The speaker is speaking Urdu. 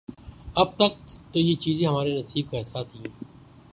اب تک تو یہ چیزیں ہمارے نصیب کا حصہ تھیں۔